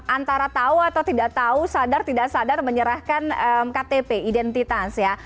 antara tahu atau tidak tahu sadar tidak sadar menyerahkan ktp identitas ya